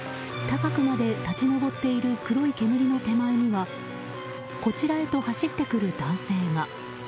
高くまで立ち上っている黒い煙の手前にはこちらへと走ってくる男性が。